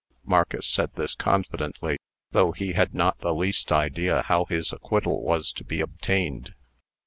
Marcus said this confidently though he had not the least idea how his acquittal was to be obtained.